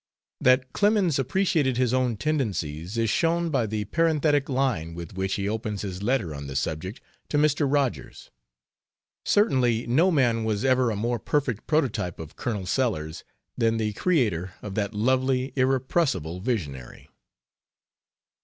That Clemens appreciated his own tendencies is shown by the parenthetic line with which he opens his letter on the subject to Mr. Rogers. Certainly no man was ever a more perfect prototype of Colonel Sellers than the creator of that lovely, irrepressible visionary.